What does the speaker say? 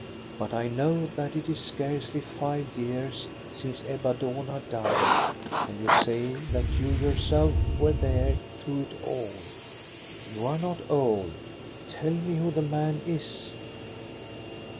But I know that it is scarcely five years since Ebba Dohna died, and you say that you yourself were there through it all. You are not old. Tell me who the man is